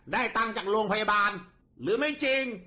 ตังค์จากโรงพยาบาลหรือไม่จริง